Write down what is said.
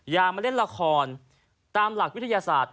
มาเล่นละครตามหลักวิทยาศาสตร์